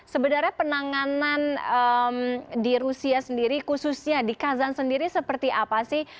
sebenarnya penanganan di rusia sendiri khususnya di kazan sendiri seperti apa sih